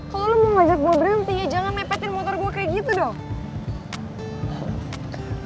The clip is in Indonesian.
kalo lo mau ngajak gue berhenti ya jangan nepetin motor gue kaya gitu dong